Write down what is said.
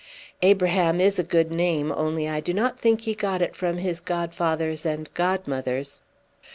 "Abraham is a good name, only I do not think he got it from his godfathers and godmothers."